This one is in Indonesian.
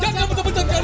jangan jangan jangan